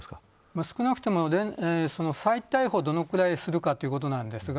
少なくとも、再逮捕をどれくらいするかということです。